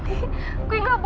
ndi tolong cepetan kesini ndi